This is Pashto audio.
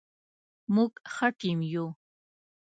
موږ ښه ټیم یو